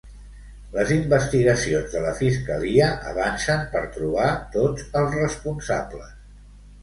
Les investigacions de la Fiscalia avancen per trobar tots els responsables.